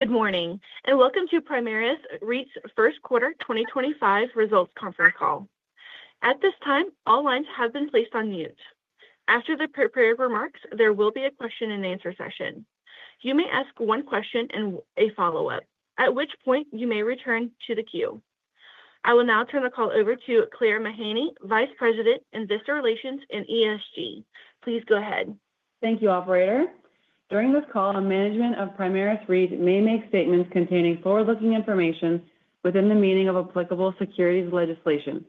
Good morning and welcome to Primaris Real Estate Investment Trust's First Quarter 2025 Results Conference Call. At this time, all lines have been placed on mute. After the prepared remarks, there will be a question-and-answer session. You may ask one question and a follow-up, at which point you may return to the queue. I will now turn the call over to Claire Mahaney, Vice President, Investor Relations and ESG. Please go ahead. Thank you, Operator. During this call, management of Primaris Real Estate may make statements containing forward-looking information within the meaning of applicable securities legislation.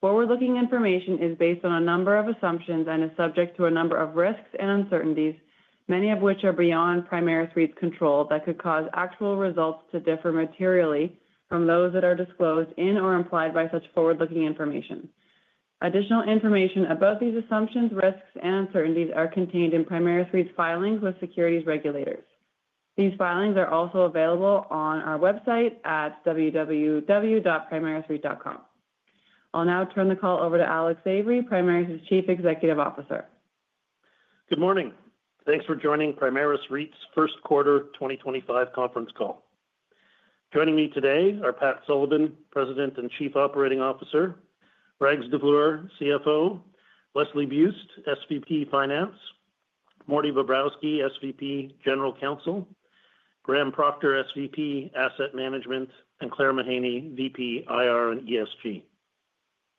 Forward-looking information is based on a number of assumptions and is subject to a number of risks and uncertainties, many of which are beyond Primaris Real Estate's control that could cause actual results to differ materially from those that are disclosed in or implied by such forward-looking information. Additional information about these assumptions, risks, and uncertainties is contained in Primaris Real Estate's filings with securities regulators. These filings are also available on our website at www.primarisrealestate.com. I'll now turn the call over to Alex Avery, Primaris Real Estate's Chief Executive Officer. Good morning. Thanks for joining Primaris Real Estate's First Quarter 2025 Conference Call. Joining me today are Pat Sullivan, President and Chief Operating Officer; Rags Davloor, CFO; Leslie Buist, SVP Finance; Mordecai Bobrowsky, SVP General Counsel; Graham Procter, SVP Asset Management; and Claire Mahaney, VP, IR and ESG.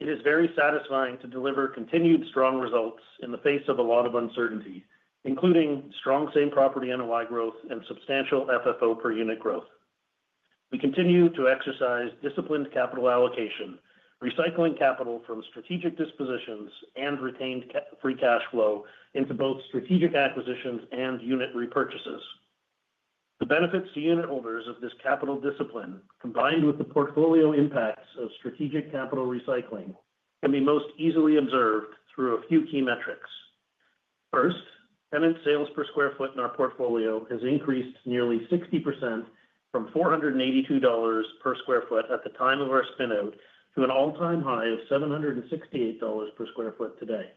It is very satisfying to deliver continued strong results in the face of a lot of uncertainty, including strong same property NOI growth and substantial FFO per unit growth. We continue to exercise disciplined capital allocation, recycling capital from strategic dispositions and retained free cash flow into both strategic acquisitions and unit repurchases. The benefits to unit holders of this capital discipline, combined with the portfolio impacts of strategic capital recycling, can be most easily observed through a few key metrics. First, tenant sales per square foot in our portfolio has increased nearly 60% from CAD 482 per sq ft at the time of our spin-out to an all-time high of 768 dollars per sq ft today.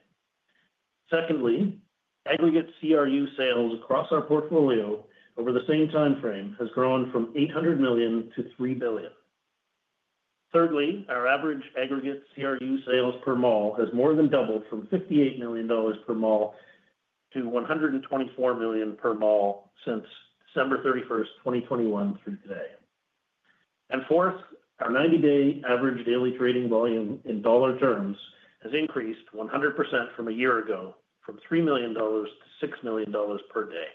Secondly, aggregate CRU sales across our portfolio over the same time frame have grown from 800 million to 3 billion. Thirdly, our average aggregate CRU sales per mall have more than doubled from 58 million dollars per mall to 124 million per mall since 31 December 2021, through today. Fourth, our 90-day average daily trading volume in dollar terms has increased 100% from a year ago, from 3 million dollars to 6 million dollars per day.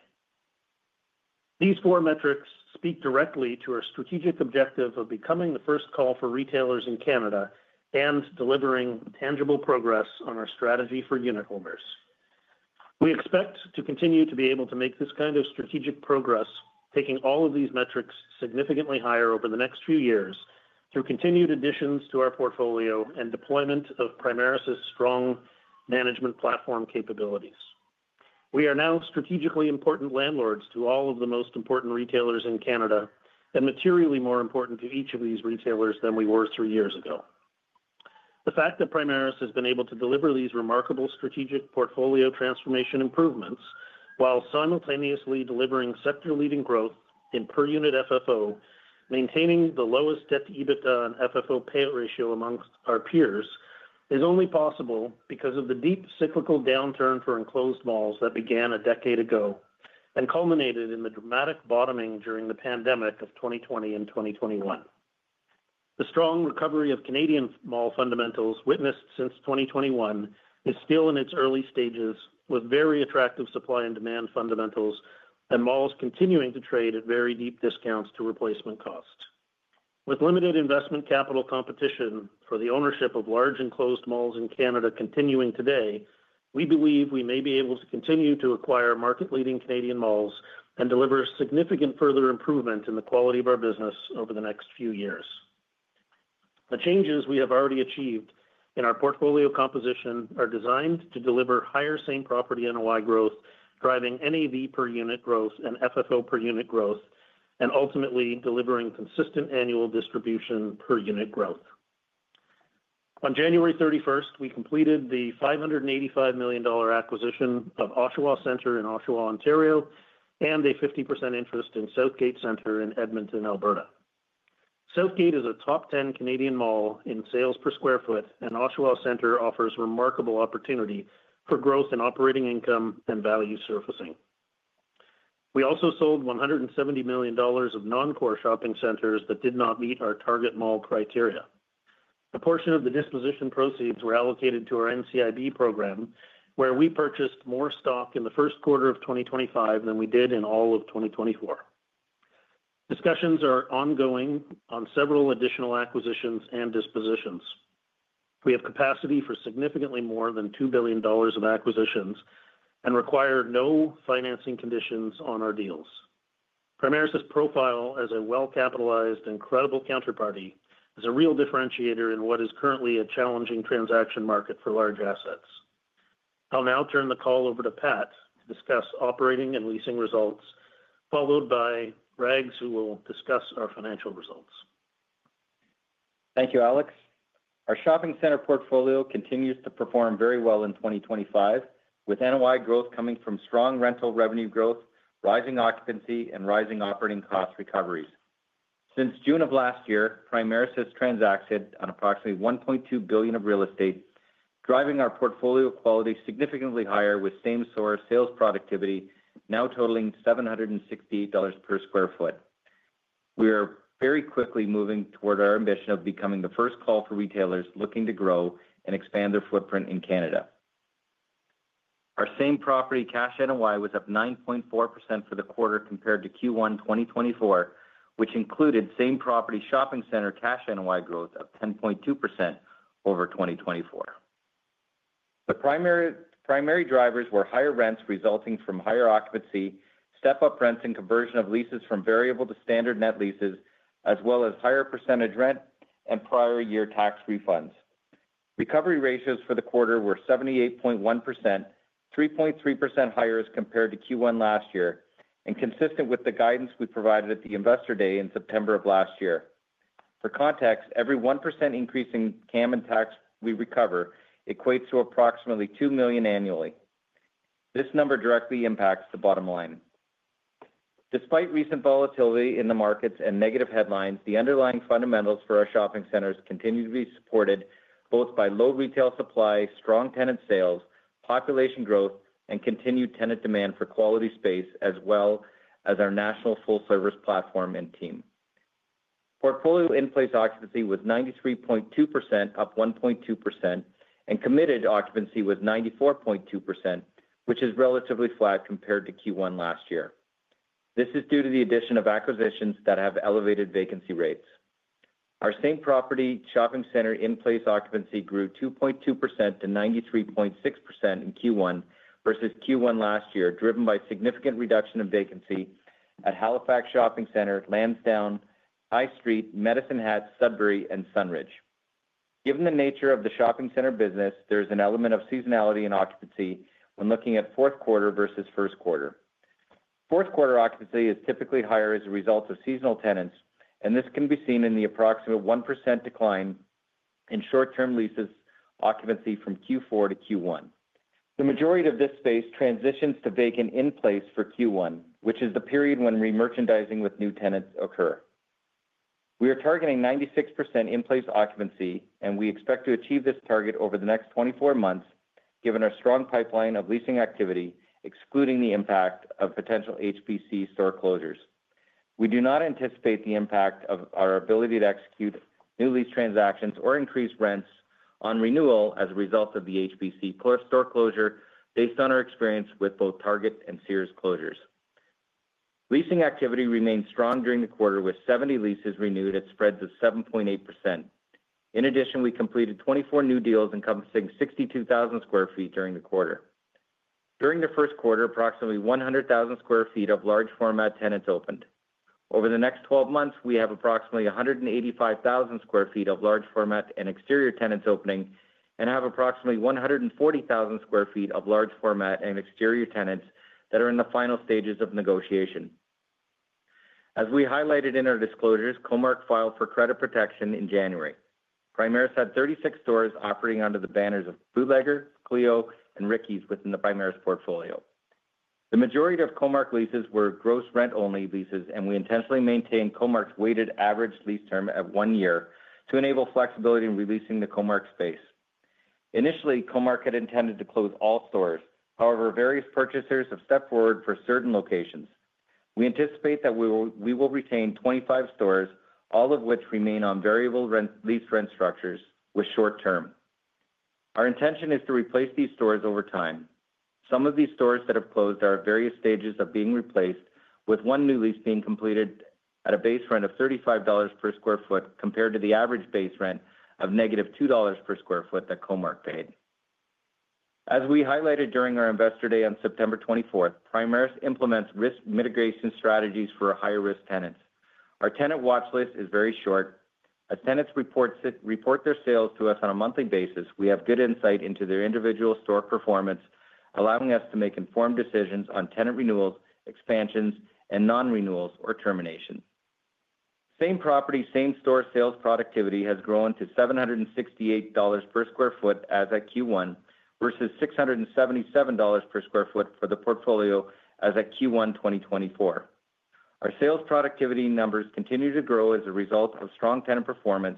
These four metrics speak directly to our strategic objective of becoming the first call for retailers in Canada and delivering tangible progress on our strategy for unit holders. We expect to continue to be able to make this kind of strategic progress, taking all of these metrics significantly higher over the next few years through continued additions to our portfolio and deployment of Primaris' strong management platform capabilities. We are now strategically important landlords to all of the most important retailers in Canada and materially more important to each of these retailers than we were three years ago. The fact that Primaris has been able to deliver these remarkable strategic portfolio transformation improvements while simultaneously delivering sector-leading growth in per-unit FFO, maintaining the lowest debt/EBITDA and FFO payout ratio amongst our peers, is only possible because of the deep cyclical downturn for enclosed malls that began a decade ago and culminated in the dramatic bottoming during the pandemic of 2020 and 2021. The strong recovery of Canadian mall fundamentals witnessed since 2021 is still in its early stages, with very attractive supply and demand fundamentals and malls continuing to trade at very deep discounts to replacement cost. With limited investment capital competition for the ownership of large enclosed malls in Canada continuing today, we believe we may be able to continue to acquire market-leading Canadian malls and deliver significant further improvement in the quality of our business over the next few years. The changes we have already achieved in our portfolio composition are designed to deliver higher same property NOI growth, driving NAV per unit growth and FFO per unit growth, and ultimately delivering consistent annual distribution per unit growth. On 31 January, we completed the 585 million dollar acquisition of Oshawa Centre in Oshawa, Ontario, and a 50% interest in Southgate Centre in Edmonton, Alberta. Southgate is a top 10 Canadian mall in sales per sq ft, and Oshawa Centre offers remarkable opportunity for growth in operating income and value surfacing. We also sold 170 million dollars of non-core shopping centres that did not meet our target mall criteria. A portion of the disposition proceeds were allocated to our NCIB program, where we purchased more stock in Q1 of 2025 than we did in all of 2024. Discussions are ongoing on several additional acquisitions and dispositions. We have capacity for significantly more than 2 billion dollars of acquisitions and require no financing conditions on our deals. Primaris' profile as a well-capitalized and credible counterparty is a real differentiator in what is currently a challenging transaction market for large assets. I'll now turn the call over to Pat to discuss operating and leasing results, followed by Rags, who will discuss our financial results. Thank you, Alex. Our shopping center portfolio continues to perform very well in 2025, with NOI growth coming from strong rental revenue growth, rising occupancy, and rising operating cost recoveries. Since June of last year, Primaris has transacted on approximately 1.2 billion of real estate, driving our portfolio quality significantly higher, with same source sales productivity now totaling 768 dollars per sq ft. We are very quickly moving toward our ambition of becoming the first call for retailers looking to grow and expand their footprint in Canada. Our same property cash NOI was up 9.4% for the quarter compared to Q1 2024, which included same property shopping center cash NOI growth of 10.2% over 2024. The primary drivers were higher rents resulting from higher occupancy, step-up rents and conversion of leases from variable to standard net leases, as well as higher percentage rent and prior year tax refunds. Recovery ratios for the quarter were 78.1%, 3.3% higher as compared to Q1 last year and consistent with the guidance we provided at the Investor Day in September of last year. For context, every 1% increase in CAM and tax we recover equates to approximately 2 million annually. This number directly impacts the bottom line. Despite recent volatility in the markets and negative headlines, the underlying fundamentals for our shopping centers continue to be supported both by low retail supply, strong tenant sales, population growth, and continued tenant demand for quality space, as well as our national full-service platform and team. Portfolio in-place occupancy was 93.2%, up 1.2%, and committed occupancy was 94.2%, which is relatively flat compared to Q1 last year. This is due to the addition of acquisitions that have elevated vacancy rates. Our same property shopping center in-place occupancy grew 2.2% to 93.6% in Q1 versus Q1 last year, driven by significant reduction in vacancy at Halifax Shopping Centre, Lansdowne, High Street, Medicine Hat, Sudbury, and Sunridge. Given the nature of the shopping center business, there is an element of seasonality in occupancy when looking at Q4 versus Q1. Q4 occupancy is typically higher as a result of seasonal tenants, and this can be seen in the approximate 1% decline in short-term leases occupancy from Q4 to Q1. The majority of this space transitions to vacant in-place for Q1, which is the period when re-merchandising with new tenants occurs. We are targeting 96% in-place occupancy, and we expect to achieve this target over the next 24 months, given our strong pipeline of leasing activity, excluding the impact of potential HBC store closures. We do not anticipate the impact of our ability to execute new lease transactions or increase rents on renewal as a result of the HBC store closure, based on our experience with both Target and Sears closures. Leasing activity remained strong during the quarter, with 70 leases renewed at spreads of 7.8%. In addition, we completed 24 new deals encompassing 62,000sq ft during the quarter. During Q1, approximately 100,000sq ft of large format tenants opened. Over the next 12 months, we have approximately 185,000sq ft of large format and exterior tenants opening and have approximately 140,000sq ft of large format and exterior tenants that are in the final stages of negotiation. As we highlighted in our disclosures, Comark filed for credit protection in January. Primaris had 36 stores operating under the banners of Bootlegger, Cleo, and Ricki's within the Primaris portfolio. The majority of Comark leases were gross rent-only leases, and we intentionally maintained Comark's weighted average lease term at one year to enable flexibility in releasing the Comark space. Initially, Comark had intended to close all stores. However, various purchasers have stepped forward for certain locations. We anticipate that we will retain 25 stores, all of which remain on variable lease rent structures with short term. Our intention is to replace these stores over time. Some of these stores that have closed are at various stages of being replaced, with one new lease being completed at a base rent of 35 dollars per sq ft compared to the average base rent of negative 2 dollars per sq ft that Comark paid. As we highlighted during our Investor Day on 24 September, Primaris implements risk mitigation strategies for higher-risk tenants. Our tenant watchlist is very short. As tenants report their sales to us on a monthly basis, we have good insight into their individual store performance, allowing us to make informed decisions on tenant renewals, expansions, and non-renewals or terminations. Same property, same store sales productivity has grown to 768 dollars per sq ft as at Q1 versus 677 dollars per sq ft for the portfolio as at Q1 2024. Our sales productivity numbers continue to grow as a result of strong tenant performance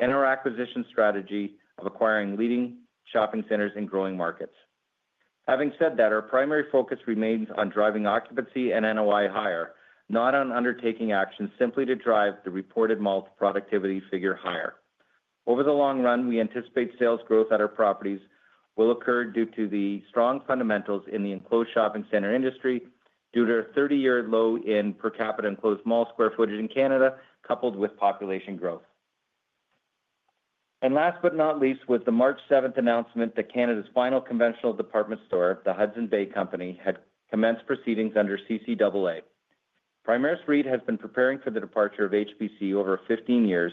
and our acquisition strategy of acquiring leading shopping centers in growing markets. Having said that, our primary focus remains on driving occupancy and NOI higher, not on undertaking actions simply to drive the reported mall productivity figure higher. Over the long run, we anticipate sales growth at our properties will occur due to the strong fundamentals in the enclosed shopping center industry, due to a 30-year low in per capita enclosed mall square footage in Canada, coupled with population growth. Last but not least, with the March 7 announcement that Canada's final conventional department store, the Hudson's Bay Company, had commenced proceedings under CCAA, Primaris REIT has been preparing for the departure of HBC over 15 years,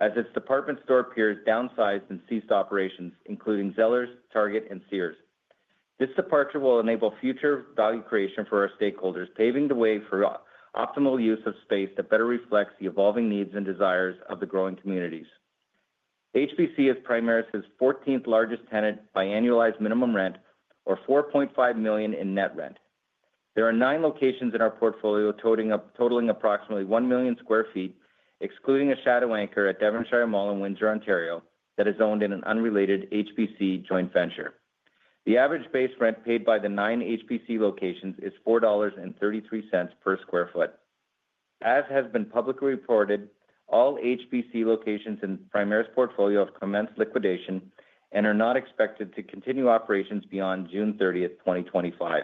as its department store peers downsized and ceased operations, including Zellers, Target, and Sears. This departure will enable future value creation for our stakeholders, paving the way for optimal use of space that better reflects the evolving needs and desires of the growing communities. HBC is Primaris' 14th largest tenant by annualized minimum rent, or 4.5 million in net rent. There are nine locations in our portfolio totaling approximately 1 million sq ft, excluding a shadow anchor at Devonshire Mall in Windsor, Ontario, that is owned in an unrelated HBC joint venture. The average base rent paid by the nine HBC locations is 4.33 dollars per sq ft. As has been publicly reported, all HBC locations in Primaris' portfolio have commenced liquidation and are not expected to continue operations beyond 30 June 2025.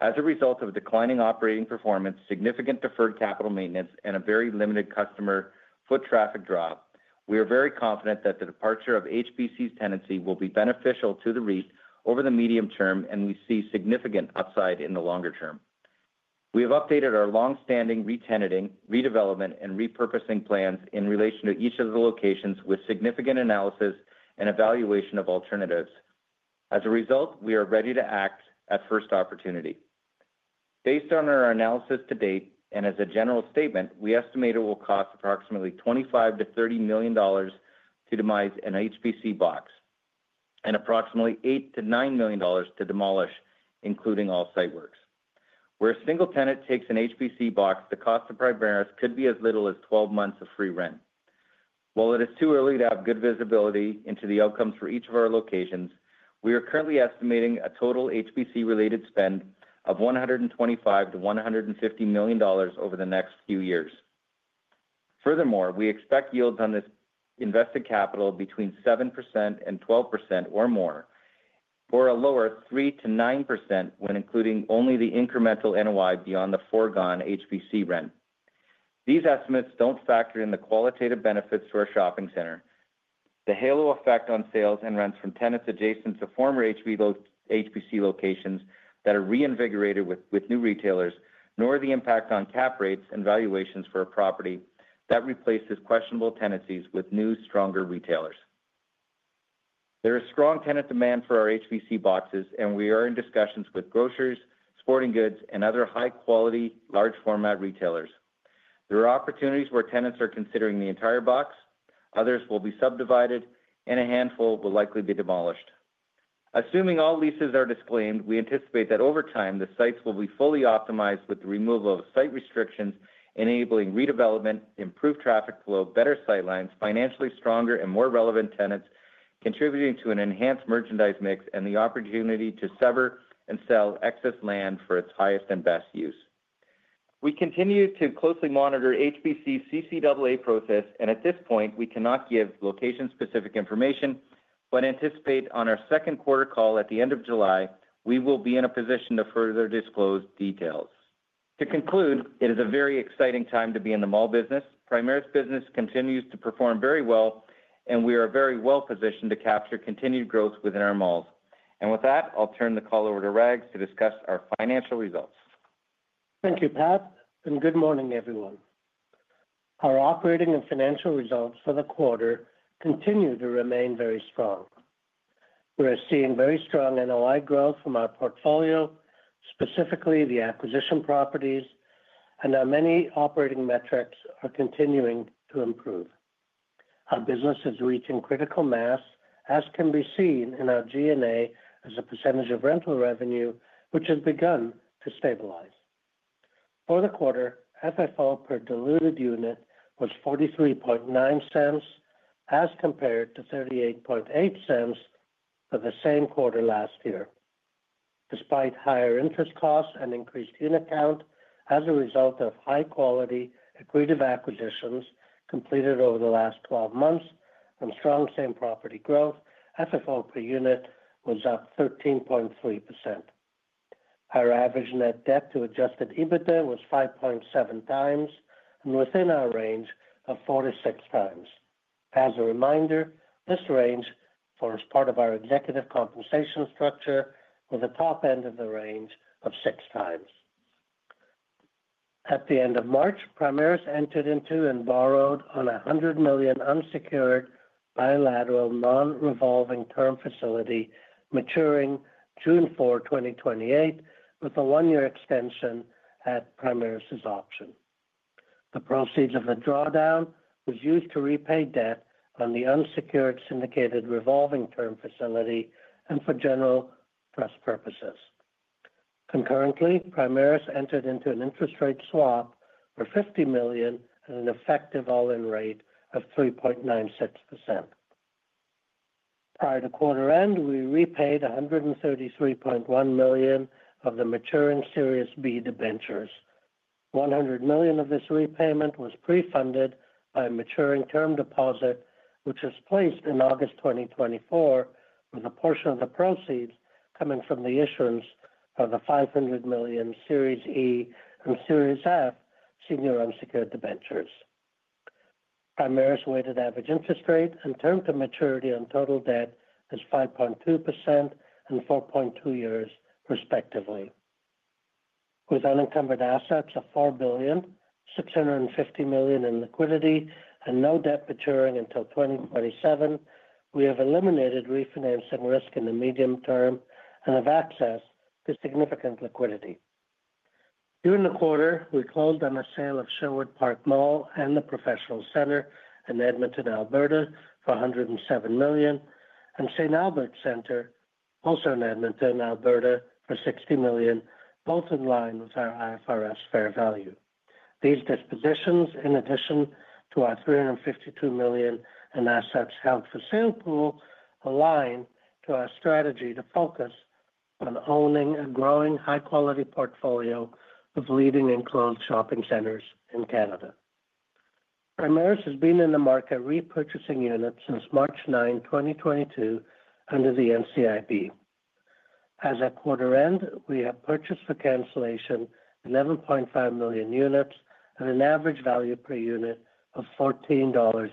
As a result of declining operating performance, significant deferred capital maintenance, and a very limited customer foot traffic drop, we are very confident that the departure of HBC's tenancy will be beneficial to the REIT over the medium term, and we see significant upside in the longer term. We have updated our longstanding re-tenanting, redevelopment, and repurposing plans in relation to each of the locations with significant analysis and evaluation of alternatives. As a result, we are ready to act at first opportunity. Based on our analysis to date and as a general statement, we estimate it will cost approximately 25 to 30 million to demise an HBC box and approximately 8 to 9 million to demolish, including all site works. Where a single tenant takes an HBC box, the cost to Primaris could be as little as 12 months of free rent. While it is too early to have good visibility into the outcomes for each of our locations, we are currently estimating a total HBC-related spend of 125 to 150 million over the next few years. Furthermore, we expect yields on this invested capital between 7% to 12% or more, or a lower 3% to 9% when including only the incremental NOI beyond the foregone HBC rent. These estimates do not factor in the qualitative benefits to our shopping center, the halo effect on sales and rents from tenants adjacent to former HBC locations that are reinvigorated with new retailers, nor the impact on cap rates and valuations for a property that replaces questionable tenancies with new, stronger retailers. There is strong tenant demand for our HBC boxes, and we are in discussions with grocers, sporting goods, and other high-quality large-format retailers. There are opportunities where tenants are considering the entire box. Others will be subdivided, and a handful will likely be demolished. Assuming all leases are disclaimed, we anticipate that over time, the sites will be fully optimized with the removal of site restrictions, enabling redevelopment, improved traffic flow, better sightlines, financially stronger and more relevant tenants, contributing to an enhanced merchandise mix and the opportunity to sever and sell excess land for its highest and best use. We continue to closely monitor HBC's CCAA process, and at this point, we cannot give location-specific information, but anticipate on our Q2 call at the end of July, we will be in a position to further disclose details. To conclude, it is a very exciting time to be in the mall business. Primaris business continues to perform very well, and we are very well positioned to capture continued growth within our malls. With that, I'll turn the call over to Rags to discuss our financial results. Thank you, Pat, and good morning, everyone. Our operating and financial results for the quarter continue to remain very strong. We are seeing very strong NOI growth from our portfolio, specifically the acquisition properties, and our many operating metrics are continuing to improve. Our business is reaching critical mass, as can be seen in our G&A as a percentage of rental revenue, which has begun to stabilize. For the quarter, FFO per diluted unit was 43.9, as compared to 38.8 for the same quarter last year. Despite higher interest costs and increased unit count as a result of high-quality agreed-up acquisitions completed over the last 12 months and strong same property growth, FFO per unit was up 13.3%. Our average net debt to adjusted EBITDA was 5.7x and within our range of 4 to 6x. As a reminder, this range forms part of our executive compensation structure with a top end of the range of six times. At the end of March, Primaris entered into and borrowed on a 100 million unsecured bilateral non-revolving term facility maturing 4 June 2028, with a one-year extension at Primaris' option. The proceeds of the drawdown were used to repay debt on the unsecured syndicated revolving term facility and for general trust purposes. Concurrently, Primaris entered into an interest rate swap for 50 million at an effective all-in rate of 3.96%. Prior to quarter end, we repaid 133.1 million of the maturing Series B debentures. 100 million of this repayment was pre-funded by a maturing term deposit, which was placed in August 2024, with a portion of the proceeds coming from the issuance of the 500 million Series E and Series F senior unsecured debentures. Primaris weighted average interest rate and term to maturity on total debt is 5.2% and 4.2 years, respectively. With unencumbered assets of 4 billion, 650 million in liquidity, and no debt maturing until 2027, we have eliminated refinancing risk in the medium term and have access to significant liquidity. During the quarter, we closed on a sale of Sherwood Park Mall and the Professional Centre in Edmonton, Alberta, for 107 million, and St. Albert Centre, also in Edmonton, Alberta, for 60 million, both in line with our IFRS fair value. These dispositions, in addition to our 352 million in assets held for sale pool, align to our strategy to focus on owning a growing high-quality portfolio of leading enclosed shopping centers in Canada. Primaris has been in the market repurchasing units since 9 March 2022, under the NCIB. As at quarter end, we have purchased for cancellation 11.5 million units at an average value per unit of 14.09 dollars,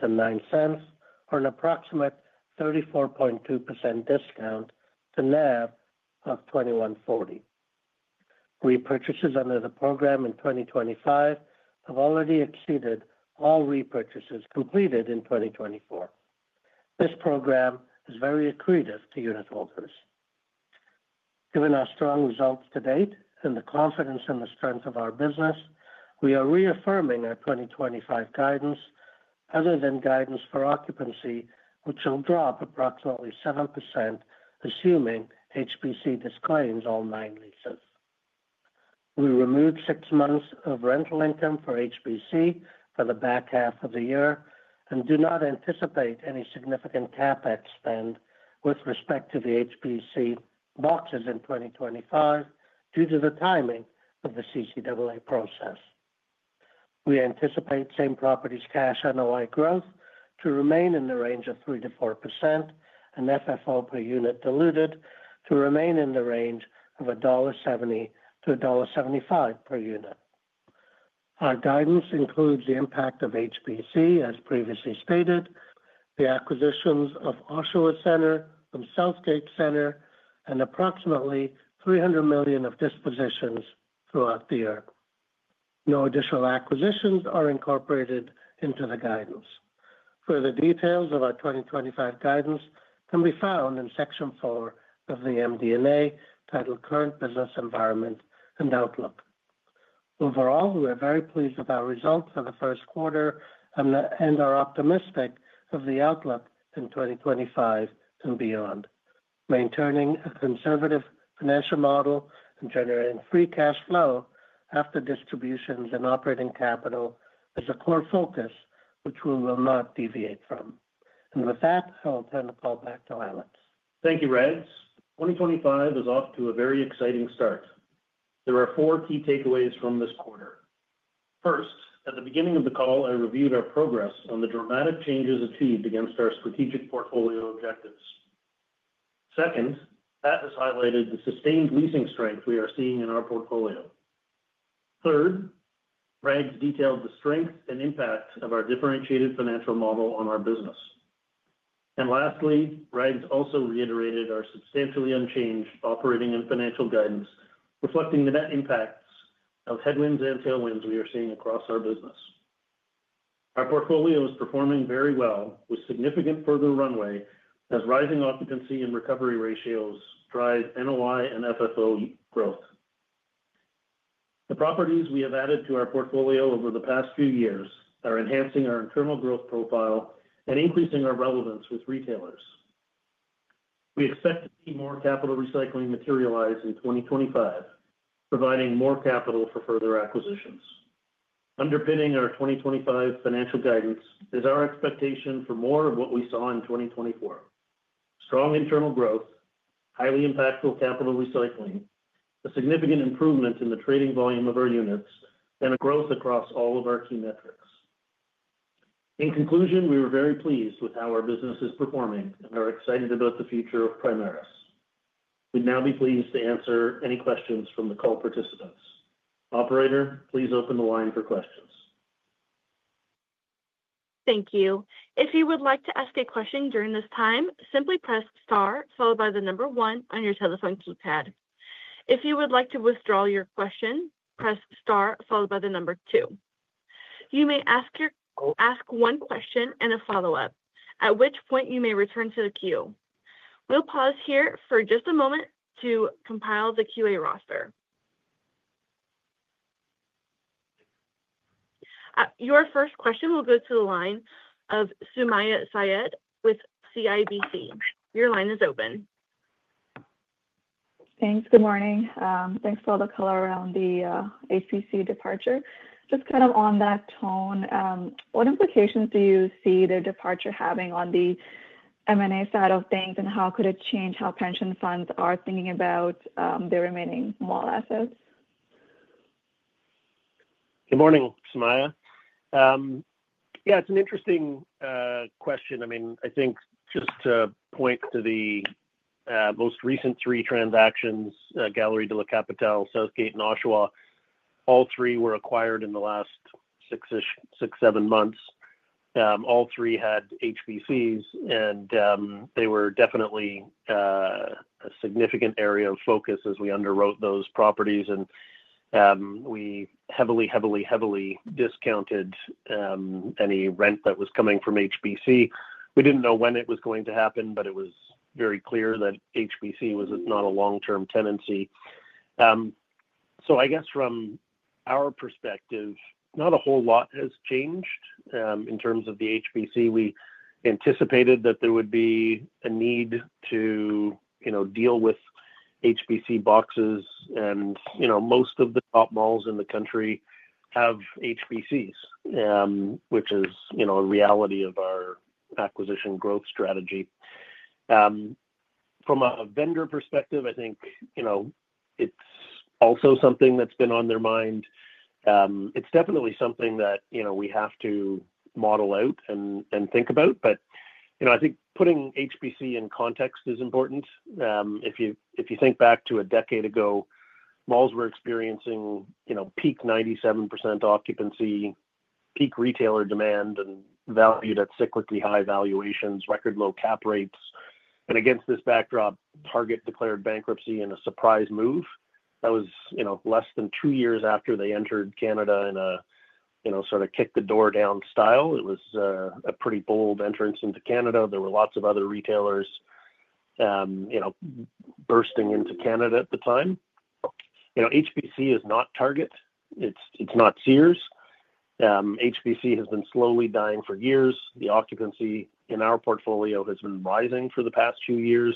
or an approximate 34.2% discount to NAV of 2,140. Repurchases under the program in 2025 have already exceeded all repurchases completed in 2024. This program is very accretive to unit holders. Given our strong results to date and the confidence in the strength of our business, we are reaffirming our 2025 guidance, other than guidance for occupancy, which will drop approximately 7%, assuming HBC disclaims all nine leases. We removed six months of rental income for HBC for the back half of the year and do not anticipate any significant CapEx spend with respect to the HBC boxes in 2025 due to the timing of the CCAA process. We anticipate same property's cash NOI growth to remain in the range of 3% to 4% and FFO per unit diluted to remain in the range of dollar 1.70 to 1.75 per unit. Our guidance includes the impact of HBC, as previously stated, the acquisitions of Oshawa Centre from Southgate Centre, and approximately 300 million of dispositions throughout the year. No additional acquisitions are incorporated into the guidance. Further details of our 2025 guidance can be found in Section 4 of the MD&A titled Current Business Environment and Outlook. Overall, we are very pleased with our results for Q1 and are optimistic of the outlook in 2025 and beyond. Maintaining a conservative financial model and generating free cash flow after distributions and operating capital is a core focus which we will not deviate from. I will turn the call back to Alex. Thank you, Rags. 2025 is off to a very exciting start. There are four key takeaways from this quarter. First, at the beginning of the call, I reviewed our progress on the dramatic changes achieved against our strategic portfolio objectives. Second, Pat has highlighted the sustained leasing strength we are seeing in our portfolio. Third, Rags detailed the strength and impact of our differentiated financial model on our business. Lastly, Rags also reiterated our substantially unchanged operating and financial guidance, reflecting the net impacts of headwinds and tailwinds we are seeing across our business. Our portfolio is performing very well with significant further runway as rising occupancy and recovery ratios drive NOI and FFO growth. The properties we have added to our portfolio over the past few years are enhancing our internal growth profile and increasing our relevance with retailers. We expect to see more capital recycling materialize in 2025, providing more capital for further acquisitions. Underpinning our 2025 financial guidance is our expectation for more of what we saw in 2024: strong internal growth, highly impactful capital recycling, a significant improvement in the trading volume of our units, and a growth across all of our key metrics. In conclusion, we are very pleased with how our business is performing and are excited about the future of Primaris. We'd now be pleased to answer any questions from the call participants. Operator, please open the line for questions. Thank you. If you would like to ask a question during this time, simply press Star, followed by the number one on your telephone keypad. If you would like to withdraw your question, press Star, followed by the number two. You may ask one question and a follow-up, at which point you may return to the queue. We'll pause here for just a moment to compile the QA roster. Your first question will go to the line of Sumayya Syed with CIBC. Your line is open. Thanks. Good morning. Thanks for all the color around the HBC departure. Just kind of on that tone, what implications do you see the departure having on the M&A side of things, and how could it change how pension funds are thinking about their remaining mall assets? Good morning, Sumaya. Yeah, it's an interesting question. I mean, I think just to point to the most recent three transactions, Galeries de la Capitale, Southgate, and Oshawa, all three were acquired in the last six, seven months. All three had HBCs, and they were definitely a significant area of focus as we underwrote those properties, and we heavily, heavily, heavily discounted any rent that was coming from HBC. We didn't know when it was going to happen, but it was very clear that HBC was not a long-term tenancy. I guess from our perspective, not a whole lot has changed in terms of the HBC. We anticipated that there would be a need to deal with HBC boxes, and most of the top malls in the country have HBCs, which is a reality of our acquisition growth strategy. From a vendor perspective, I think it's also something that's been on their mind. It's definitely something that we have to model out and think about, but I think putting HBC in context is important. If you think back to a decade ago, malls were experiencing peak 97% occupancy, peak retailer demand, and valued at cyclically high valuations, record low cap rates. Against this backdrop, Target declared bankruptcy in a surprise move. That was less than two years after they entered Canada in a sort of kick-the-door-down style. It was a pretty bold entrance into Canada. There were lots of other retailers bursting into Canada at the time. HBC is not Target. It's not Sears. HBC has been slowly dying for years. The occupancy in our portfolio has been rising for the past few years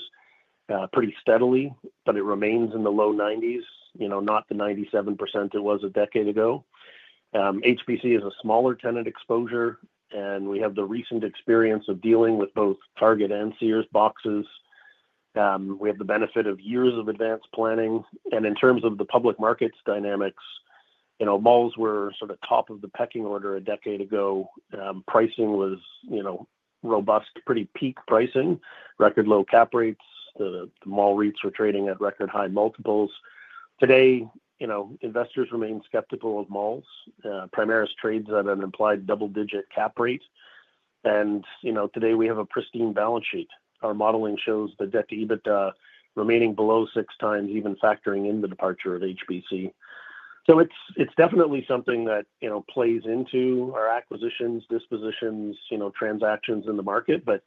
pretty steadily, but it remains in the low 90%, not the 97% it was a decade ago. HBC is a smaller tenant exposure, and we have the recent experience of dealing with both Target and Sears boxes. We have the benefit of years of advanced planning. In terms of the public markets dynamics, malls were sort of top of the pecking order a decade ago. Pricing was robust, pretty peak pricing, record low cap rates. The mall rates were trading at record high multiples. Today, investors remain skeptical of malls. Primaris trades at an implied double-digit cap rate. Today, we have a pristine balance sheet. Our modeling shows the debt-to-EBITDA remaining below six times, even factoring in the departure of HBC. It is definitely something that plays into our acquisitions, dispositions, transactions in the market, but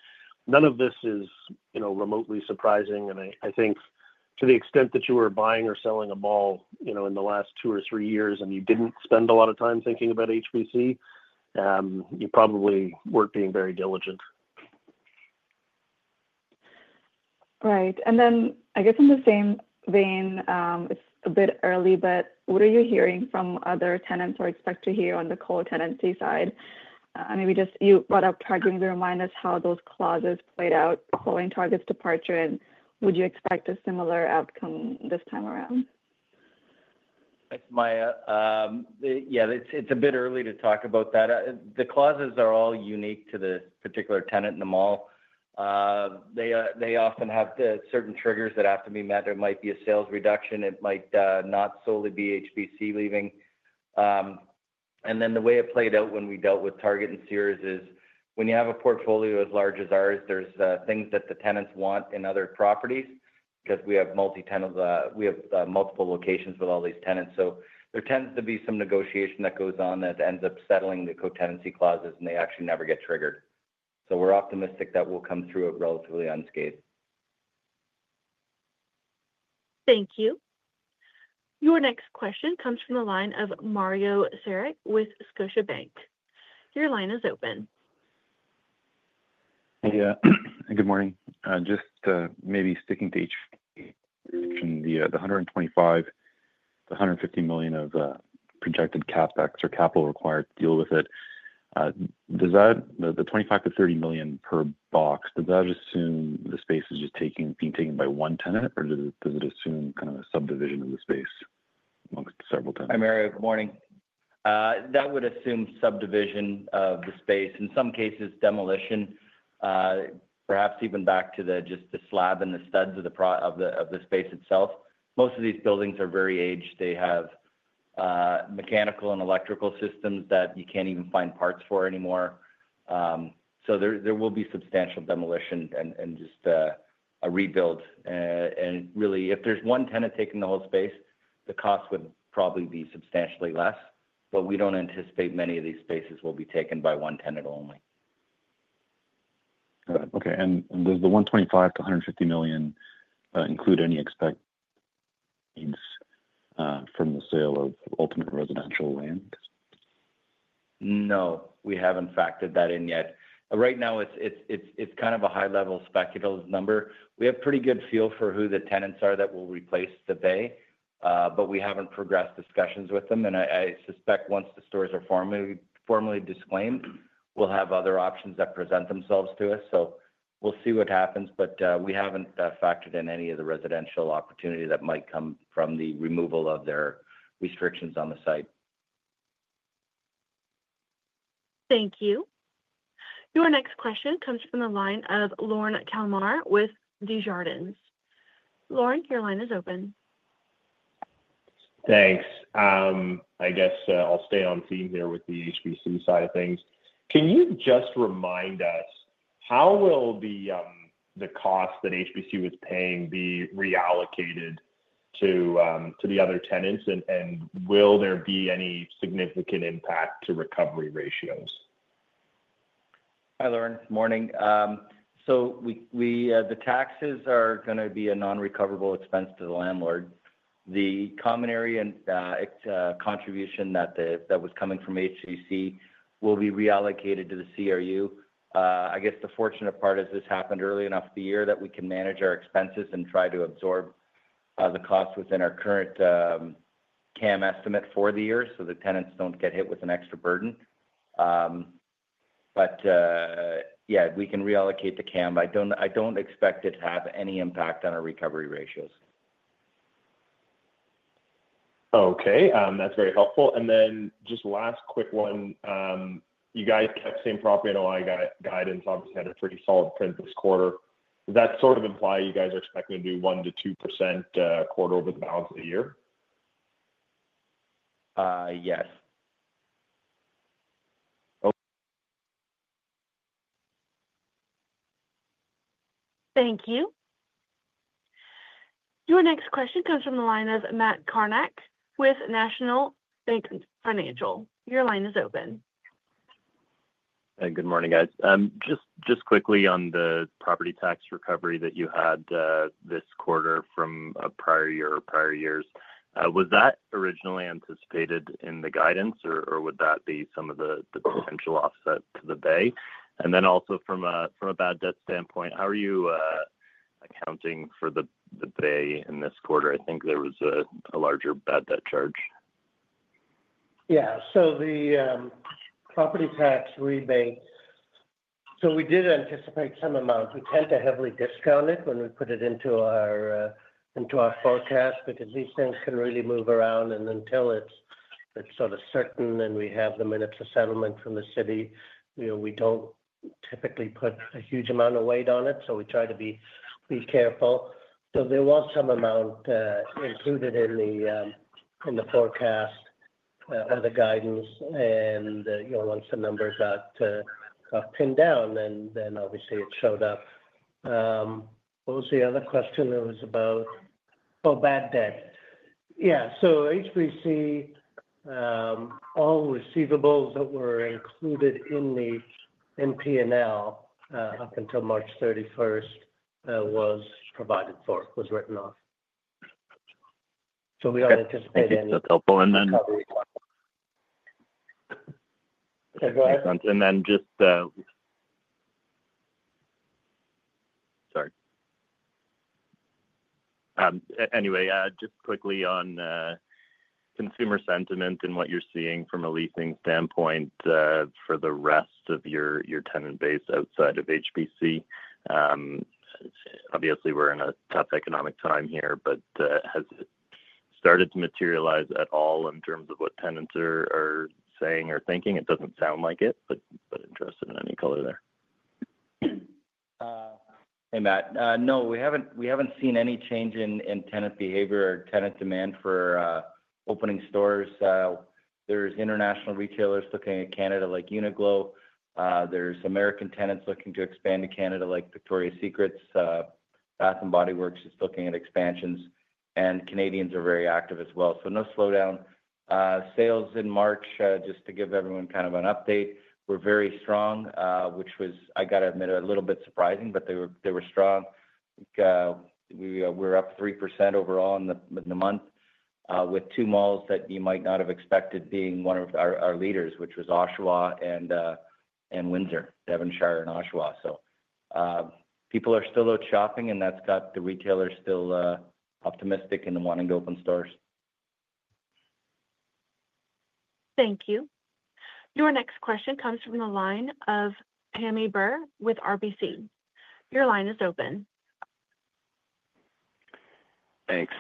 none of this is remotely surprising. I think to the extent that you were buying or selling a mall in the last two or three years and you did not spend a lot of time thinking about HBC, you probably were not being very diligent. Right. In the same vein, it's a bit early, but what are you hearing from other tenants or expect to hear on the co-tenancy side? Maybe just you brought up Target. Do you remind us how those clauses played out following Target's departure, and would you expect a similar outcome this time around? Thanks, Sumaya. Yeah, it's a bit early to talk about that. The clauses are all unique to the particular tenant in the mall. They often have certain triggers that have to be met. It might be a sales reduction. It might not solely be HBC leaving. The way it played out when we dealt with Target and Sears is when you have a portfolio as large as ours, there are things that the tenants want in other properties because we have multiple locations with all these tenants. There tends to be some negotiation that goes on that ends up settling the co-tenancy clauses, and they actually never get triggered. We're optimistic that we'll come through it relatively unscathed. Thank you. Your next question comes from the line of Mario Saric with Scotiabank. Your line is open. Thank you. Good morning. Just maybe sticking to the 125 to 150 million of projected CapEx or capital required to deal with it, does that, the 25 to 30 million per box, does that assume the space is just being taken by one tenant, or does it assume kind of a subdivision of the space amongst several tenants? Primary, good morning. That would assume subdivision of the space, in some cases, demolition, perhaps even back to just the slab and the studs of the space itself. Most of these buildings are very aged. They have mechanical and electrical systems that you can't even find parts for anymore. There will be substantial demolition and just a rebuild. If there's one tenant taking the whole space, the cost would probably be substantially less, but we don't anticipate many of these spaces will be taken by one tenant only. Got it. Okay. Does the 125 to 150 million include any expectations from the sale of ultimate residential land? No. We have not factored that in yet. Right now, it is kind of a high-level speculative number. We have a pretty good feel for who the tenants are that will replace The Bay, but we have not progressed discussions with them. I suspect once the stores are formally disclaimed, we will have other options that present themselves to us. We will see what happens, but we have not factored in any of the residential opportunity that might come from the removal of their restrictions on the site. Thank you. Your next question comes from the line of Lorne Kalmar with Desjardins. Lorne, your line is open. Thanks. I guess I'll stay on theme here with the HBC side of things. Can you just remind us, how will the cost that HBC was paying be reallocated to the other tenants, and will there be any significant impact to recovery ratios? Hi Lorne. Good morning. The taxes are going to be a non-recoverable expense to the landlord. The common area contribution that was coming from HBC will be reallocated to the CRU. I guess the fortunate part is this happened early enough of the year that we can manage our expenses and try to absorb the cost within our current CAM estimate for the year so the tenants don't get hit with an extra burden. Yeah, we can reallocate the CAM. I don't expect it to have any impact on our recovery ratios. Okay. That's very helpful. Just last quick one. You guys kept same property and a lot of guidance, obviously had a pretty solid print this quarter. Does that sort of imply you guys are expecting to do 1% to 2% quarter-over-the-balance of the year? Yes. Okay. Thank you. Your next question comes from the line of Matt Kornack with National Bank Financial. Your line is open. Hey, good morning, guys. Just quickly on the property tax recovery that you had this quarter from prior year or prior years, was that originally anticipated in the guidance, or would that be some of the potential offset to the bay? Also, from a bad debt standpoint, how are you accounting for the bay in this quarter? I think there was a larger bad debt charge. Yeah. The property tax rebate, we did anticipate some amount. We tend to heavily discount it when we put it into our forecast because these things can really move around, and until it's sort of certain and we have the minutes of settlement from the city, we don't typically put a huge amount of weight on it, so we try to be careful. There was some amount included in the forecast or the guidance, and once the numbers got pinned down, then obviously it showed up. What was the other question? It was about, oh, bad debt. Yeah. HBC, all receivables that were included in the NP&L up until 31 March, was provided for, was written off. We don't anticipate any recovery. Sorry. Anyway, just quickly on consumer sentiment and what you're seeing from a leasing standpoint for the rest of your tenant base outside of HBC. Obviously, we're in a tough economic time here, but has it started to materialize at all in terms of what tenants are saying or thinking? It doesn't sound like it, but interested in any color there. Hey, Matt. No, we haven't seen any change in tenant behavior or tenant demand for opening stores. There's international retailers looking at Canada like Uniqlo. There's American tenants looking to expand to Canada like Victoria's Secret. Bath & Body Works is looking at expansions. Canadians are very active as well. No slowdown. Sales in March, just to give everyone kind of an update, were very strong, which was, I got to admit, a little bit surprising, but they were strong. We were up 3% overall in the month with two malls that you might not have expected being one of our leaders, which was Oshawa and Windsor, Devonshire and Oshawa. People are still out shopping, and that's got the retailers still optimistic and wanting to open stores. Thank you. Your next question comes from the line of Pammi Bir with RBC. Your line is open. Thanks.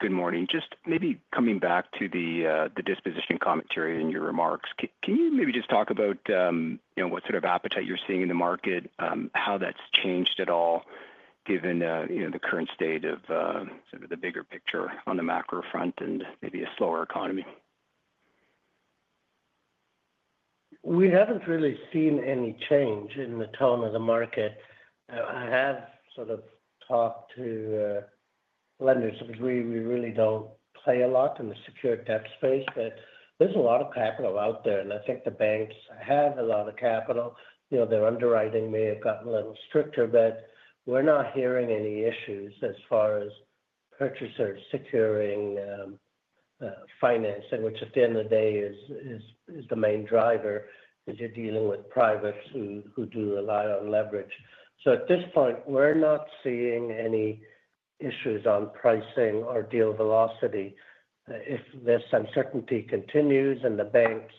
Good morning. Just maybe coming back to the disposition commentary and your remarks, can you maybe just talk about what sort of appetite you're seeing in the market, how that's changed at all given the current state of sort of the bigger picture on the macro front and maybe a slower economy? We have not really seen any change in the tone of the market. I have sort of talked to lenders because we really do not play a lot in the secured debt space, but there is a lot of capital out there, and I think the banks have a lot of capital. Their underwriting may have gotten a little stricter, but we are not hearing any issues as far as purchasers securing financing, which at the end of the day is the main driver because you are dealing with privates who do rely on leverage. At this point, we are not seeing any issues on pricing or deal velocity. If this uncertainty continues and the banks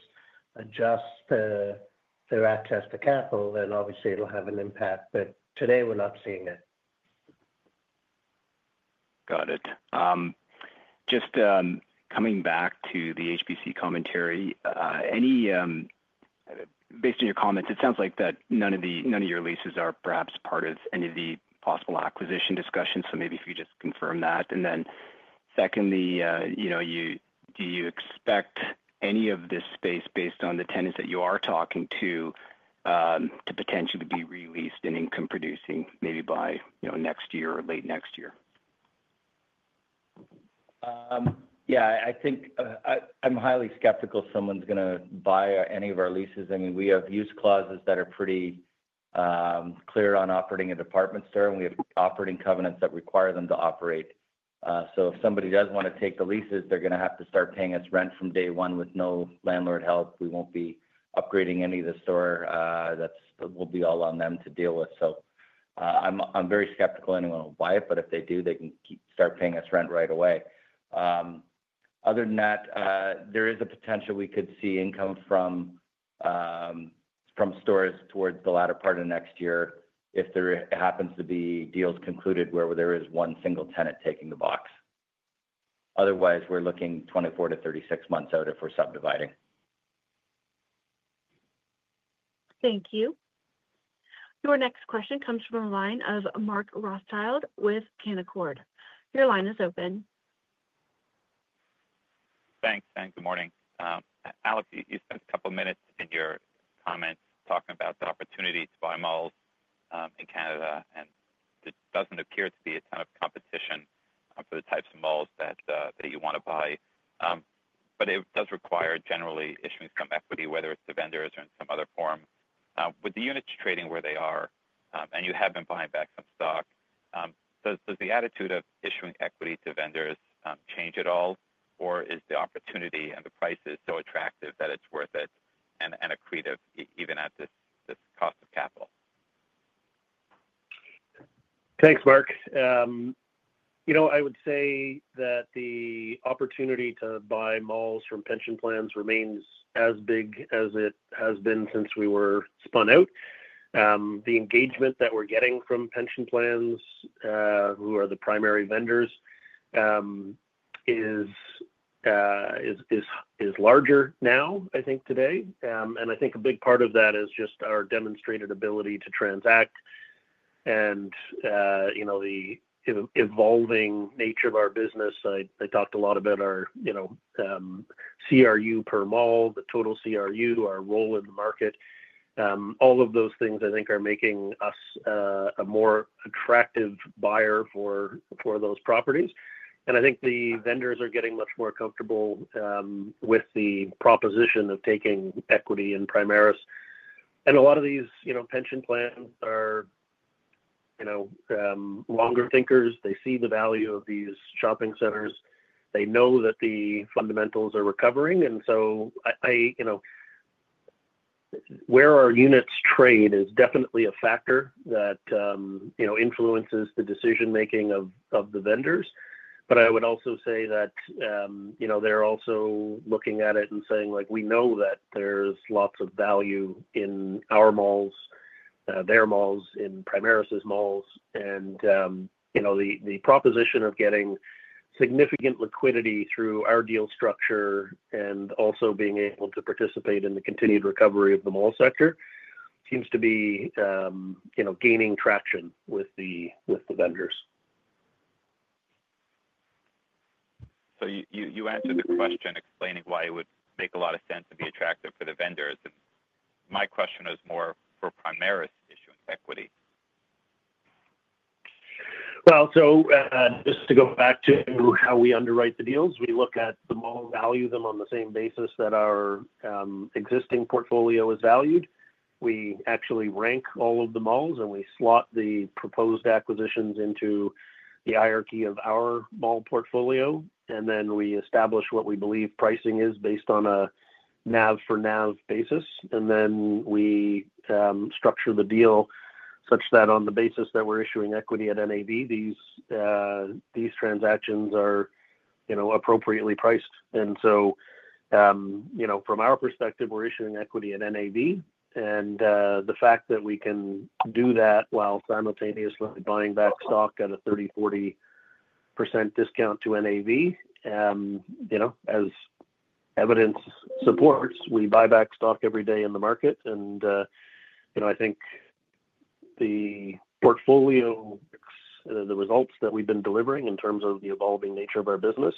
adjust their access to capital, obviously it will have an impact, but today we are not seeing it. Got it. Just coming back to the HBC commentary, based on your comments, it sounds like that none of your leases are perhaps part of any of the possible acquisition discussions, so maybe if you could just confirm that. Secondly, do you expect any of this space, based on the tenants that you are talking to, to potentially be released and income-producing maybe by next year or late next year? Yeah. I think I'm highly skeptical someone's going to buy any of our leases. I mean, we have use clauses that are pretty clear on operating a department store, and we have operating covenants that require them to operate. If somebody does want to take the leases, they're going to have to start paying us rent from day one with no landlord help. We won't be upgrading any of the store. That will be all on them to deal with. I am very skeptical anyone will buy it, but if they do, they can start paying us rent right away. Other than that, there is a potential we could see income from stores towards the latter part of next year if there happens to be deals concluded where there is one single tenant taking the box. Otherwise, we're looking 24 to 36 months out if we're subdividing. Thank you. Your next question comes from a line of Mark Rothschild with Canaccord. Your line is open. Thanks. Thanks. Good morning. Alex, you spent a couple of minutes in your comments talking about the opportunity to buy malls in Canada, and it does not appear to be a ton of competition for the types of malls that you want to buy. It does require generally issuing some equity, whether it is to vendors or in some other form. With the units trading where they are, and you have been buying back some stock, does the attitude of issuing equity to vendors change at all, or is the opportunity and the prices so attractive that it is worth it and accretive even at this cost of capital? Thanks, Mark. I would say that the opportunity to buy malls from pension plans remains as big as it has been since we were spun out. The engagement that we're getting from pension plans, who are the primary vendors, is larger now, I think, today. I think a big part of that is just our demonstrated ability to transact and the evolving nature of our business. I talked a lot about our CRU per mall, the total CRU, our role in the market. All of those things, I think, are making us a more attractive buyer for those properties. I think the vendors are getting much more comfortable with the proposition of taking equity in Primaris. A lot of these pension plans are longer thinkers. They see the value of these shopping centers. They know that the fundamentals are recovering. Where our units trade is definitely a factor that influences the decision-making of the vendors. I would also say that they are also looking at it and saying, "We know that there is lots of value in our malls, their malls, in Primaris' malls." The proposition of getting significant liquidity through our deal structure and also being able to participate in the continued recovery of the mall sector seems to be gaining traction with the vendors. You answered the question explaining why it would make a lot of sense to be attractive for the vendors. My question is more for Primaris issuing equity. Just to go back to how we underwrite the deals, we look at the mall, value them on the same basis that our existing portfolio is valued. We actually rank all of the malls, and we slot the proposed acquisitions into the hierarchy of our mall portfolio. We establish what we believe pricing is based on a NAV-for-NAV basis. We structure the deal such that on the basis that we're issuing equity at NAV, these transactions are appropriately priced. From our perspective, we're issuing equity at NAV. The fact that we can do that while simultaneously buying back stock at a 30% to 40% discount to NAV, as evidence supports, we buy back stock every day in the market. I think the portfolio, the results that we've been delivering in terms of the evolving nature of our business,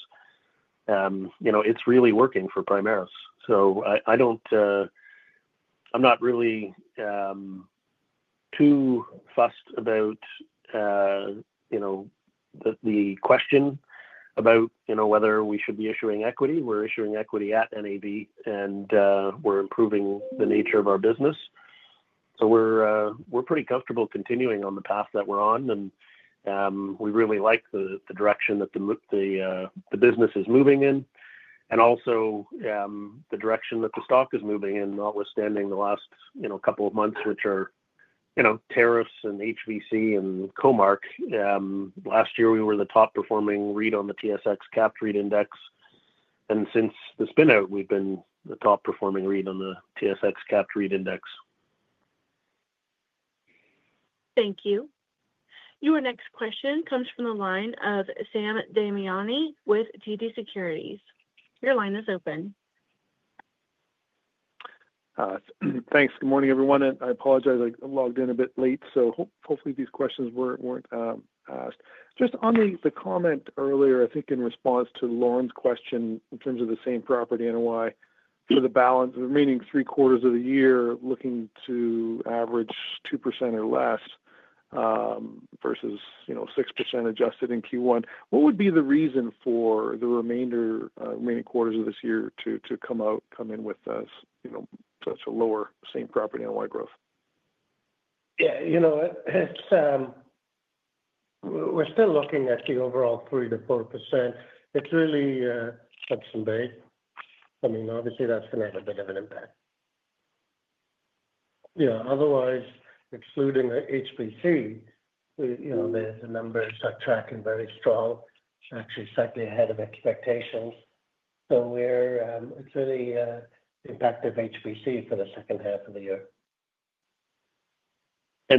it's really working for Primaris. I'm not really too fussed about the question about whether we should be issuing equity. We're issuing equity at NAV, and we're improving the nature of our business. We're pretty comfortable continuing on the path that we're on, and we really like the direction that the business is moving in. We also like the direction that the stock is moving in, notwithstanding the last couple of months, which are tariffs and HBC and Comark. Last year, we were the top-performing REIT on the TSX capped REIT index. Since the spin-out, we've been the top-performing REIT on the TSX capped REIT index. Thank you. Your next question comes from the line of Sam Damiani with TD Securities. Your line is open. Thanks. Good morning, everyone. I apologize. I logged in a bit late, so hopefully these questions were not asked. Just on the comment earlier, I think in response to Lorne's question in terms of the same property NOI, for the remaining three quarters of the year, looking to average 2% or less versus 6% adjusted in Q1, what would be the reason for the remaining quarters of this year to come in with such a lower same property NOI growth? Yeah. We're still looking at the overall 3% to 4%. It's really such a big—I mean, obviously, that's going to have a bit of an impact. Yeah. Otherwise, excluding HBC, the numbers are tracking very strong, actually slightly ahead of expectations. It's really impacted HBC for the second half of the year. The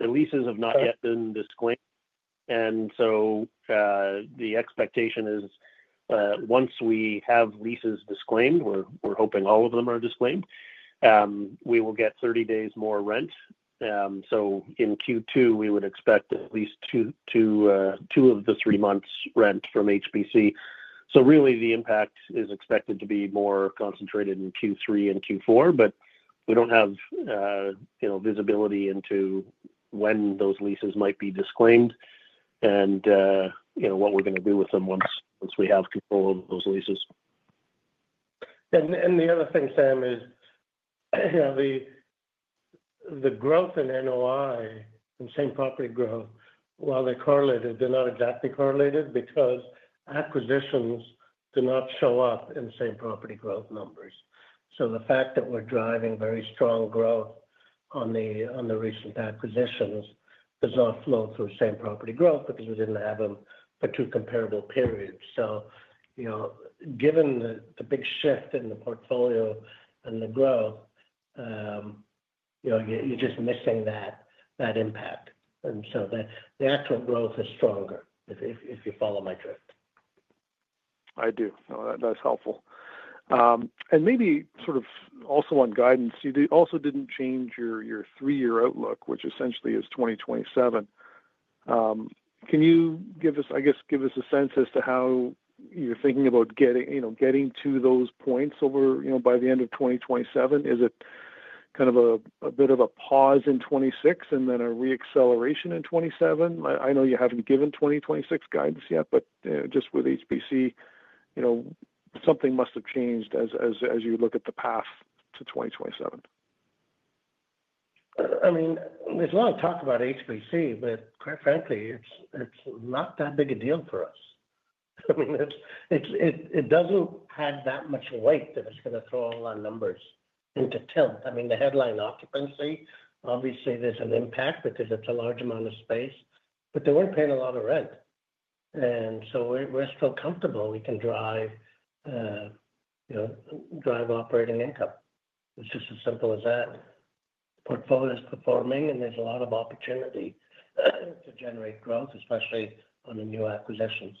leases have not yet been disclaimed. The expectation is once we have leases disclaimed, we're hoping all of them are disclaimed, we will get 30 days more rent. In Q2, we would expect at least two of the three months' rent from HBC. Really, the impact is expected to be more concentrated in Q3 and Q4, but we do not have visibility into when those leases might be disclaimed and what we are going to do with them once we have control of those leases. The other thing, Sam, is the growth in NOI and same property growth, while they're correlated, they're not exactly correlated because acquisitions do not show up in same property growth numbers. The fact that we're driving very strong growth on the recent acquisitions does not flow through same property growth because we didn't have them for two comparable periods. Given the big shift in the portfolio and the growth, you're just missing that impact. The actual growth is stronger if you follow my drift. I do. That's helpful. Maybe sort of also on guidance, you also did not change your three-year outlook, which essentially is 2027. Can you give us, I guess, give us a sense as to how you're thinking about getting to those points by the end of 2027? Is it kind of a bit of a pause in 2026 and then a re-acceleration in 2027? I know you have not given 2026 guidance yet, but just with HBC, something must have changed as you look at the path to 2027. I mean, there's a lot of talk about HBC, but quite frankly, it's not that big a deal for us. I mean, it doesn't have that much weight that it's going to throw all our numbers into tilt. I mean, the headline occupancy, obviously, there's an impact because it's a large amount of space, but they weren't paying a lot of rent. And so we're still comfortable. We can drive operating income. It's just as simple as that. Portfolio is performing, and there's a lot of opportunity to generate growth, especially on the new acquisitions.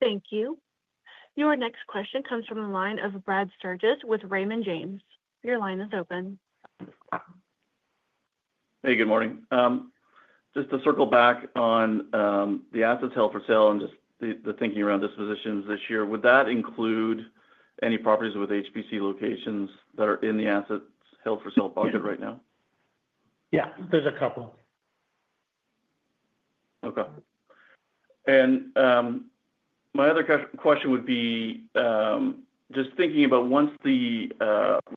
Thank you. Your next question comes from the line of Brad Sturges with Raymond James. Your line is open. Hey, good morning. Just to circle back on the assets held for sale and just the thinking around dispositions this year, would that include any properties with HBC locations that are in the assets held for sale budget right now? Yeah. There's a couple. Okay. My other question would be just thinking about once the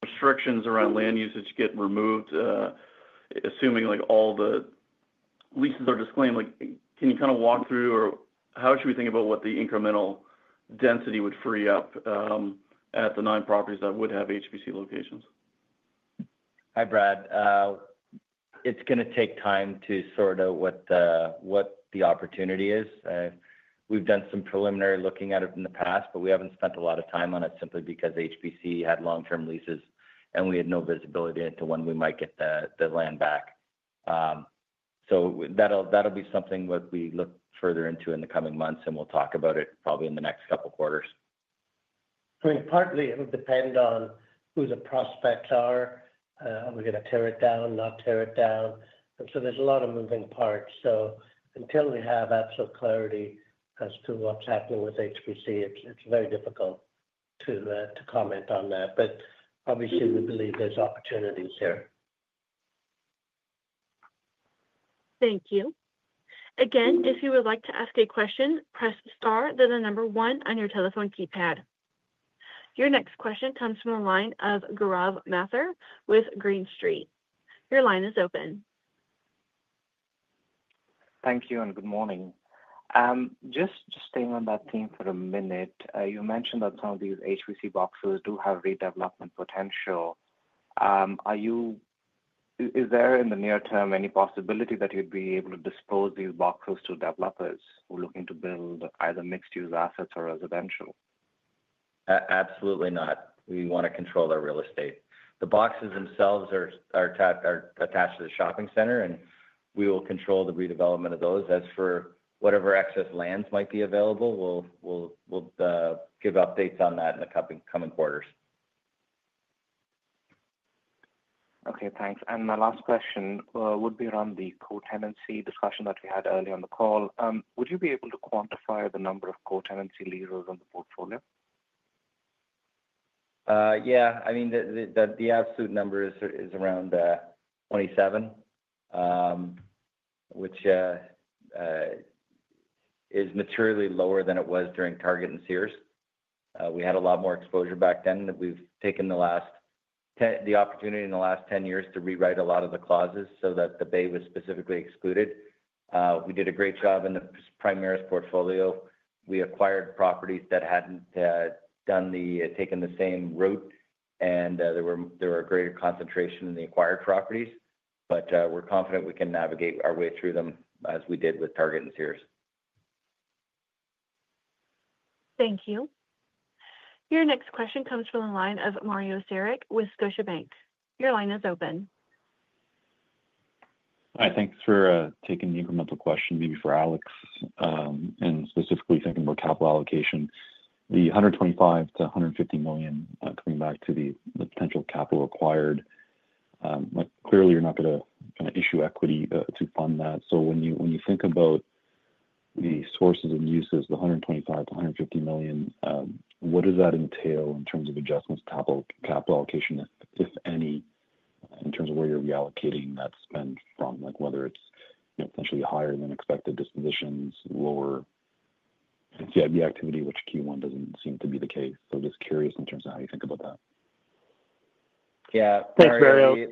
restrictions around land usage get removed, assuming all the leases are disclaimed, can you kind of walk through or how should we think about what the incremental density would free up at the nine properties that would have HBC locations? Hi, Brad. It's going to take time to sort out what the opportunity is. We've done some preliminary looking at it in the past, but we haven't spent a lot of time on it simply because HBC had long-term leases and we had no visibility into when we might get the land back. That'll be something that we look further into in the coming months, and we'll talk about it probably in the next couple of quarters. I mean, partly it would depend on who the prospects are. Are we going to tear it down, not tear it down? There are a lot of moving parts. Until we have absolute clarity as to what is happening with HBC, it is very difficult to comment on that. Obviously, we believe there are opportunities here. Thank you. Again, if you would like to ask a question, press star then the number one on your telephone keypad. Your next question comes from the line of Gaurav Mathur with Green Street. Your line is open. Thank you and good morning. Just staying on that theme for a minute, you mentioned that some of these HBC boxes do have redevelopment potential. Is there in the near term any possibility that you'd be able to dispose these boxes to developers who are looking to build either mixed-use assets or residential? Absolutely not. We want to control our real estate. The boxes themselves are attached to the shopping center, and we will control the redevelopment of those. As for whatever excess lands might be available, we'll give updates on that in the coming quarters. Okay. Thanks. My last question would be around the co-tenancy discussion that we had earlier on the call. Would you be able to quantify the number of co-tenancy leases in the portfolio? Yeah. I mean, the absolute number is around 27, which is materially lower than it was during Target and Sears. We had a lot more exposure back then. We've taken the opportunity in the last 10 years to rewrite a lot of the clauses so that the Bay was specifically excluded. We did a great job in the Primaris portfolio. We acquired properties that hadn't taken the same route, and there were a greater concentration in the acquired properties. We are confident we can navigate our way through them as we did with Target and Sears. Thank you. Your next question comes from the line of Mario Saric with Scotiabank. Your line is open. Hi. Thanks for taking the incremental question, maybe for Alex, and specifically thinking about capital allocation. The 125 to 150 million coming back to the potential capital required, clearly, you're not going to issue equity to fund that. When you think about the sources and uses, the 125 to 150 million, what does that entail in terms of adjustments to capital allocation, if any, in terms of where you're reallocating that spend from, whether it's potentially higher than expected dispositions, lower NCIB activity, which Q1 doesn't seem to be the case. Just curious in terms of how you think about that. Yeah. Okay.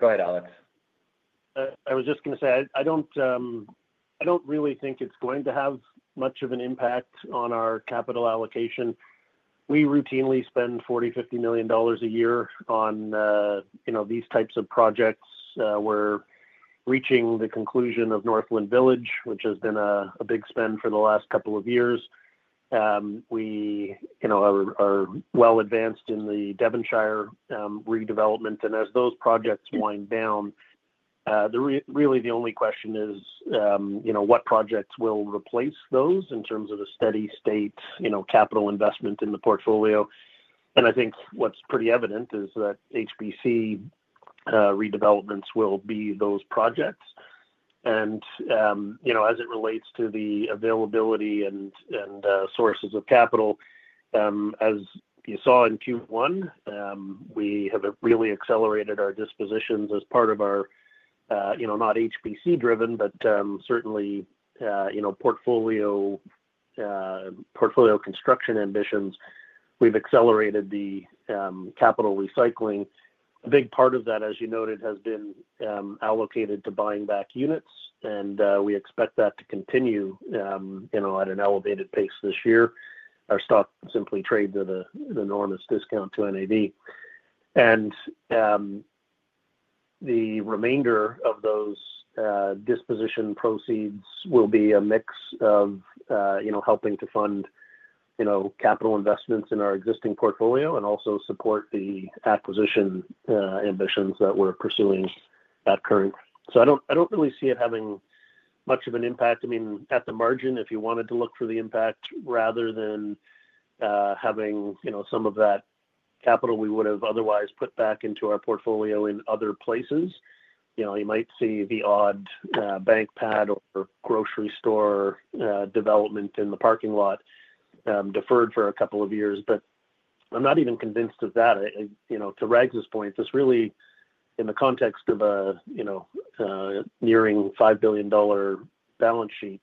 Go ahead, Alex. I was just going to say, I don't really think it's going to have much of an impact on our capital allocation. We routinely spend 40 to 50 million a year on these types of projects. We're reaching the conclusion of Northland Village, which has been a big spend for the last couple of years. We are well advanced in the Devonshire redevelopment. As those projects wind down, really the only question is what projects will replace those in terms of a steady-state capital investment in the portfolio. I think what's pretty evident is that HBC redevelopments will be those projects. As it relates to the availability and sources of capital, as you saw in Q1, we have really accelerated our dispositions as part of our not HBC-driven, but certainly portfolio construction ambitions. We've accelerated the capital recycling. A big part of that, as you noted, has been allocated to buying back units, and we expect that to continue at an elevated pace this year. Our stock simply trades at an enormous discount to NAV. The remainder of those disposition proceeds will be a mix of helping to fund capital investments in our existing portfolio and also support the acquisition ambitions that we're pursuing at current. I do not really see it having much of an impact. I mean, at the margin, if you wanted to look for the impact rather than having some of that capital we would have otherwise put back into our portfolio in other places, you might see the odd bank pad or grocery store development in the parking lot deferred for a couple of years. I am not even convinced of that. To Rags' point, this really, in the context of a nearing 5 billion dollar balance sheet,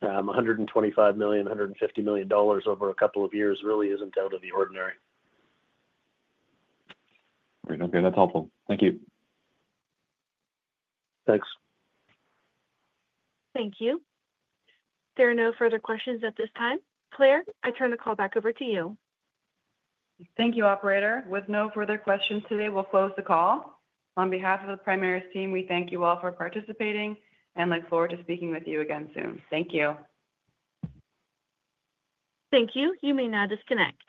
125 to 150 million over a couple of years really isn't out of the ordinary. Great. Okay. That's helpful. Thank you. Thanks. Thank you. There are no further questions at this time. Claire, I turn the call back over to you. Thank you, operator. With no further questions today, we'll close the call. On behalf of the Primaris team, we thank you all for participating and look forward to speaking with you again soon. Thank you. Thank you. You may now disconnect.